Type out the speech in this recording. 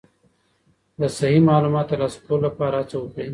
د صحیح معلوماتو ترلاسه کولو لپاره هڅه وکړئ.